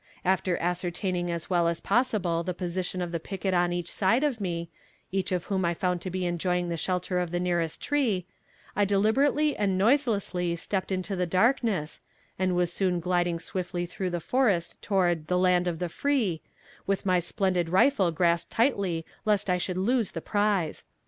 After ascertaining as well as possible the position of the picket on each side of me, each of whom I found to be enjoying the shelter of the nearest tree, I deliberately and noiselessly stepped into the darkness, and was soon gliding swiftly through the forest toward the "land of the free," with my splendid rifle grasped tightly lest I should lose the prize.